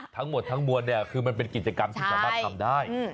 ทั้งหมดทั้งมวลเนี่ยคือมันเป็นกิจกรรมที่สามารถทำได้